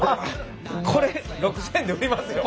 これ６，０００円で売りますよ。